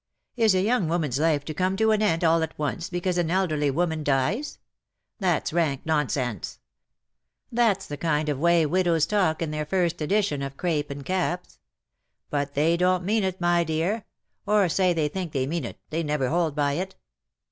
Is a young woman's life to come to an end all at once because an elderly woman dies ? That's rank nonsense. That's the kind of way widows talk in their first edition of crape and caps. But '^LOVE WILL HAVE HIS DAY." 83 they don^t mean it_, my dear; or^ say they think they mean it, they never hold by it.